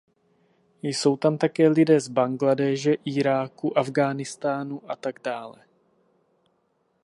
Jsou tam také lidé z Bangladéše, Iráku, Afghánistánu atd.